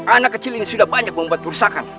anak kecil ini sudah banyak membuat kerusakan